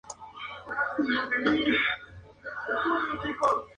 El espectáculo se representaba en salones de bodas.